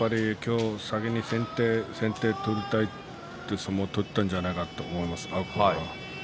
先手先手を取りたいという相撲を取ったんではないかと思います。